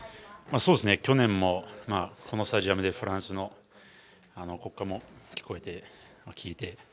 去年もこのスタジアムで、フランスの国歌も聞こえて、聞いて。